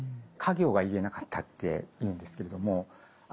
か行が言えなかったっていうんですけれども。